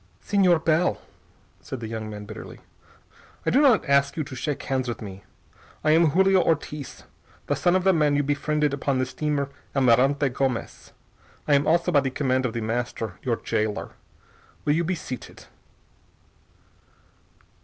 "Señor Bell," said the young man bitterly, "I do not ask you to shake hands with me. I am Julio Ortiz, the son of the man you befriended upon the steamer Almirante Gomez. I am also, by the command of The Master, your jailer. Will you be seated?"